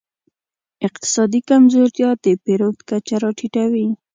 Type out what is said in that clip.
اقتصادي کمزورتیا د پیرود کچه راټیټوي.